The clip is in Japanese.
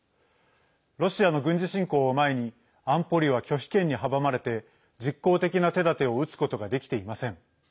ロシアの軍事侵攻を前に安保理は拒否権に阻まれて実効的な手だてを打つことができていません。